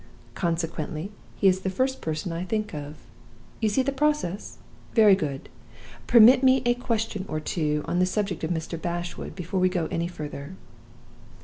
Consequently, he is the first person I think of. You see the process? Very good. Permit me a question or two, on the subject of Mr. Bashwood, before we go on any further.